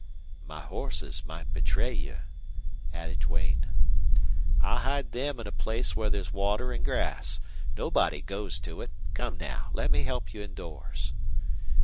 "My horses might betray you," added Duane. "I'll hide them in a place where there's water an' grass. Nobody goes to it. Come now, let me help you indoors."